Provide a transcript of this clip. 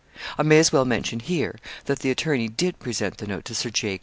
I may as well mention here, that the attorney did present the note to Sir J.